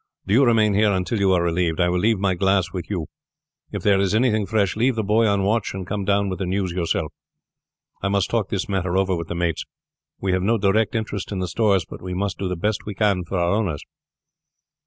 Do you remain here until you are relieved. I will leave my glass with you. If there is anything fresh, leave the boy on watch and come down with the news yourself. I must talk this matter over with the mates. We have no direct interest in the stores, but we must do the best we can for our owners."